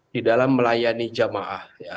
di dalam melayani jamaah